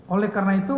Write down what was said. oleh karena itu